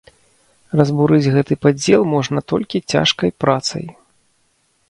Разбурыць гэты падзел можна толькі цяжкай працай.